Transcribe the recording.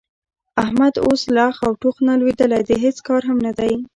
احمد اوس له اخ او ټوخ نه لوېدلی د هېڅ کار هم نه دی.